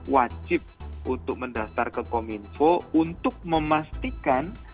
wajib untuk mendaftar ke kominfo untuk memastikan